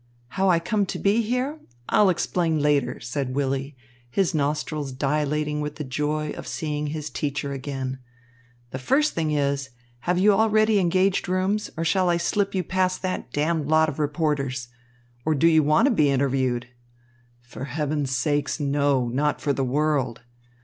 "How I come to be here? I'll explain later," said Willy, his nostrils dilating with the joy of seeing his teacher again. "The first thing is, have you already engaged rooms, and shall I slip you past that damned lot of reporters? Or do you want to be interviewed?" "For heaven's sake, no! Not for the world."